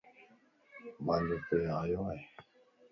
مانجو پي آيو ا